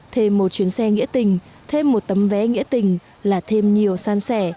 thêm một chuyến xe nghĩa tình thêm một tấm vé nghĩa tình là thêm nhiều san sẻ